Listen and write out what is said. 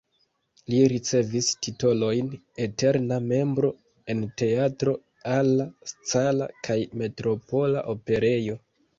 Li ricevis titolojn "eterna membro" en Teatro alla Scala kaj Metropola Operejo.